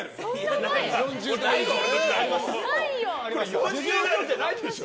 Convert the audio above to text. これ４０代以上じゃないでしょ。